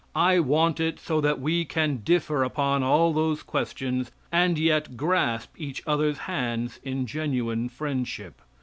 I want it so that we can differ upon all those questions, and yet grasp each other's hands in genuine friendship.